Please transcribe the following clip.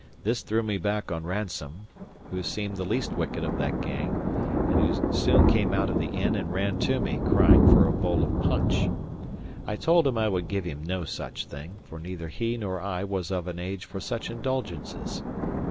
This threw me back on Ransome, who seemed the least wicked of that gang, and who soon came out of the inn and ran to me, crying for a bowl of punch. I told him I would give him no such thing, for neither he nor I was of an age for such indulgences.